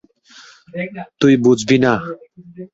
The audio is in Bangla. তুই বুঝবি না।